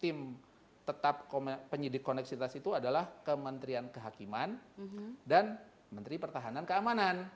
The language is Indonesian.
tim tetap penyidik koneksitas itu adalah kementerian kehakiman dan menteri pertahanan keamanan